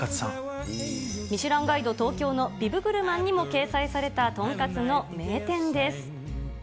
ミシュランガイド東京のビブグルマンにも掲載された豚カツの名店です。